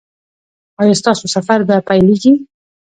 ایا ستاسو سفر به پیلیږي؟